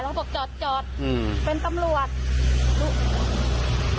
แล้วเขาก็บอกจอดเป็นตำรวจ